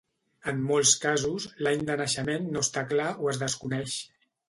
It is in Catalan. En molts casos, l'any de naixement no està clar o es desconeix.